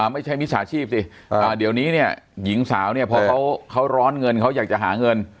มิจฉาชีพสิเดี๋ยวนี้เนี่ยหญิงสาวเนี่ยพอเขาร้อนเงินเขาอยากจะหาเงิน